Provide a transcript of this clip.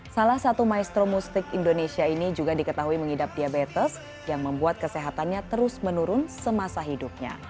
salah satu maestro mustik indonesia ini juga diketahui mengidap diabetes yang membuat kesehatannya terus menurun semasa hidupnya